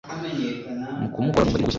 mukumukoraho numva ndimo gushya,